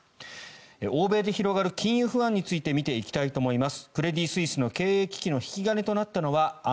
欧米で広がる金融不安について見ていきたいと思います。